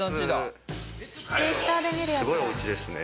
すごいお家ですね。